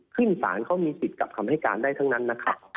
ขึ้นศาลเขามีสิทธิ์กลับคำให้การได้ทั้งนั้นนะครับ